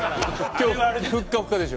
今日ふっかふかでしょ。